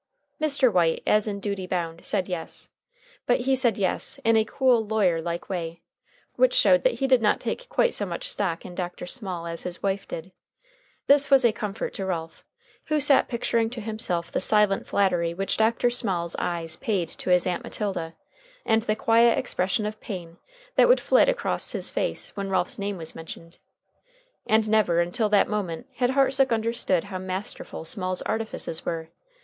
Mr. White, as in duty bound, said yes, but he said yes in a cool, lawyerlike way, which showed that he did not take quite so much stock in Dr. Small as his wife did. This was a comfort to Ralph, who sat picturing to himself the silent flattery which Dr. Small's eyes paid to his Aunt Matilda, and the quiet expression of pain that would flit across his face when Ralph's name was mentioned. And never until that moment had Hartsook understood how masterful Small's artifices were.